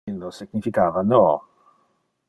Illo significava no.